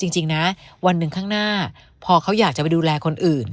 จริงนะวันหนึ่งข้างหน้าพอเขาอยากจะไปดูแลคนอื่น